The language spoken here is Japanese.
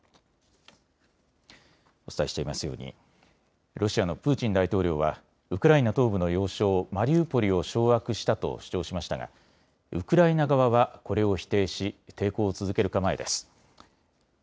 お伝えしていますようにロシアのプーチン大統領はウクライナ東部の要衝マリウポリを掌握したと主張しましたがウクライナ側はこれを否定し抵抗を続ける構えです。